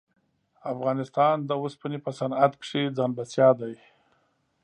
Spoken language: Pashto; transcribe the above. افغانستان د اوسپنې په صنعت کښې ځان بسیا دی.